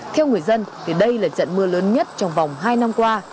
theo người dân đây là trận mưa lớn nhất trong vòng hai năm qua